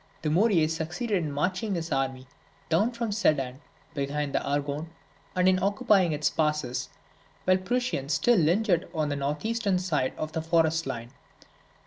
Dumouriez succeeded in marching his army down from Sedan behind the Argonne, and in occupying its passes, while the Prussians still lingered on the north eastern side of the forest line.